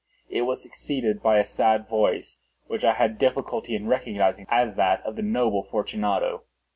It was succeeded by a sad voice, which I had difficulty in recognising as that of the noble Fortunato.